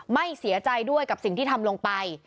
ไม่เสียใจด้วยกับสิ่งที่ทำลงไป